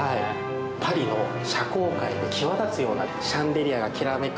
パリの社交界で際立つようなシャンデリアがきらめく